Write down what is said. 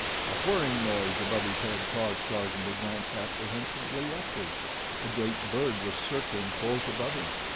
A whirring noise above his head caused Tarzan to glance apprehensively upward. A great bird was circling close above him.